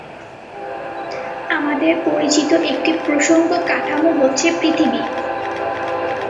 আমাদের পরিচিত একটি প্রসঙ্গ কাঠামো হচ্ছে পৃথিবী।